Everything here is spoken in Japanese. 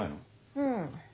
うん。